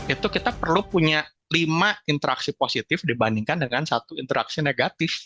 itu kita perlu punya lima interaksi positif dibandingkan dengan satu interaksi negatif